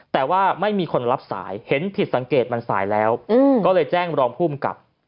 แต่ว่าไม่มีคนรับสายเห็นผิดสังเกตมันสายแล้วก็เลยแจ้งรองภูมิกับ